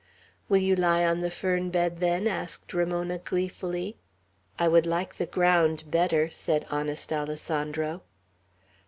"Will you lie on the fern bed then?" asked Ramona, gleefully. "I would like the ground better," said honest Alessandro.